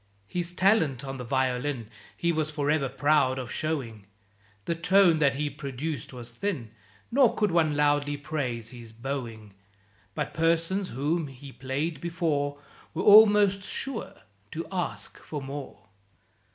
His talent on the violin He was for ever proud of showing; The tone that he produced was thin, Nor could one loudly praise his "bowing;" But persons whom he played before Were almost sure to ask for more.